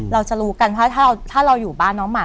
เราจะรู้กันถ้าเราอยู่บ้านน้องหมา